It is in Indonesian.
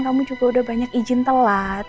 kamu juga udah banyak izin telat